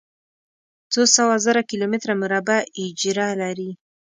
څو سوه زره کلومتره مربع اېجره لري.